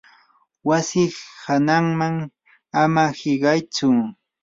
wasi hananman ama hiqaytsu.